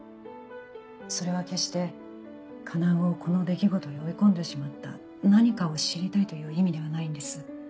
それは決して叶をこの出来事へ追い込んでしまった何かを知りたいという意味ではないんです。